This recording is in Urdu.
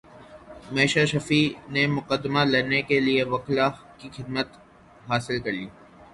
میشا شفیع نے مقدمہ لڑنے کیلئے وکلاء کی خدمات حاصل کرلیں